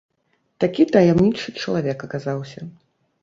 Такі таямнічы чалавек аказаўся.